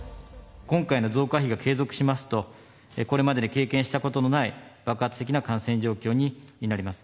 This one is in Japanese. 今回の増加比が継続しますと、これまでに経験したことのない爆発的な感染状況になります。